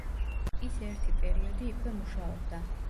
ის ერთი პერიოდი იქვე მუშაობდა.